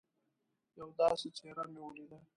یوه داسي څهره مې ولیده